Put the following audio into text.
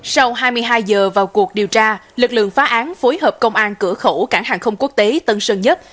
sau hai mươi hai giờ vào cuộc điều tra lực lượng phá án phối hợp công an cửa khẩu cảng hàng không quốc tế tân sơn nhất